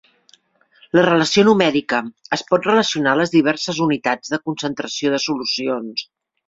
La relació numèrica es pot relacionar a les diverses unitats de concentració de solucions.